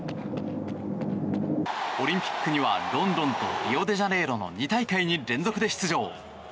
オリンピックにはロンドンとリオデジャネイロの２大会に連続で出場。